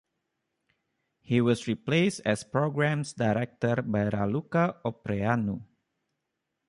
He was replaced as Programs Director by Raluca Opreanu.